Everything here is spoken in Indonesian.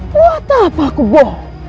kenapa aku bohong